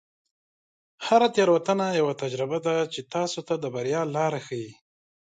هره تیروتنه یوه تجربه ده چې تاسو ته د بریا لاره ښیي.